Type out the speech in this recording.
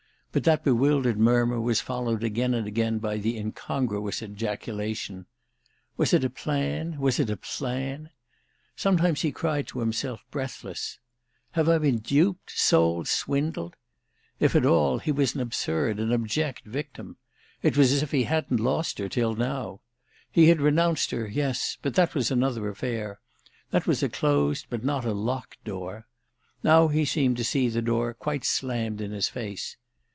But that bewildered murmur was followed again and again by the incongruous ejaculation: "Was it a plan—was it a plan?" Sometimes he cried to himself, breathless, "Have I been duped, sold, swindled?" If at all, he was an absurd, an abject victim. It was as if he hadn't lost her till now. He had renounced her, yes; but that was another affair—that was a closed but not a locked door. Now he seemed to see the door quite slammed in his face.